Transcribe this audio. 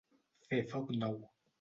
Fer foc nou.